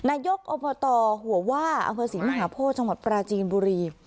นายกอบตหัวว่าอังคฤษิมหาโพธิชมปราจีนบุรี